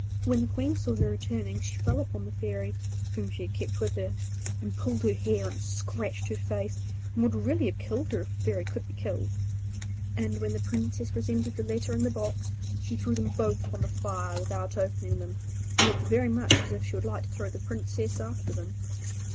When the Queen saw her returning she fell upon the Fairy, whom she had kept with her, and pulled her hair, and scratched her face, and would really have killed her if a Fairy could be killed. And when the Princess presented the letter and the box she threw them both upon the fire without opening them, and looked very much as if she would like to throw the Princess after them.